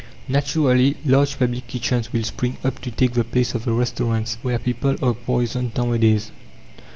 Naturally large public kitchens will spring up to take the place of the restaurants, where people are poisoned nowadays.